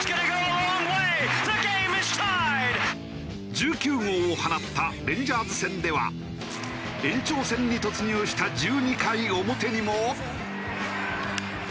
１９号を放ったレンジャーズ戦では延長戦に突入した１２回表にも。